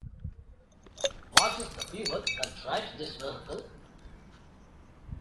What is the fuel that drives this vehicle?